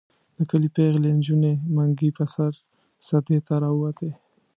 د کلي پېغلې نجونې منګي په سر سدې ته راوتې.